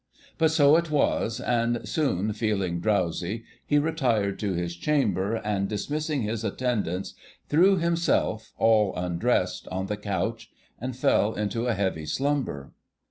But so it was, and soon, feeling drowsy, he retired to his chamber, and dismissing his attendants, threw himself, all undressed, on the couch, and fell into a heavy slumber.